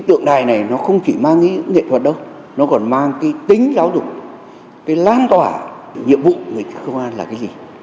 tượng đài này không chỉ mang nghệ thuật đâu nó còn mang tính giáo dục lan tỏa nhiệm vụ của công an là cái gì